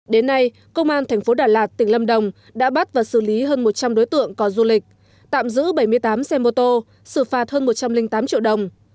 đến nay công an thành phố đà lạt tỉnh lâm đồng đã bắt và xử lý hơn một trăm linh đối tượng co du lịch tạm giữ bảy mươi tám xe mô tô xử phạt hơn một trăm linh tám triệu đồng